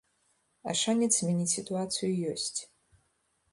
А шанец змяніць сітуацыю ёсць.